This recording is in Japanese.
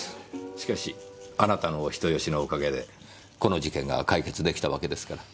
しかしあなたのお人好しのおかげでこの事件が解決できたわけですから。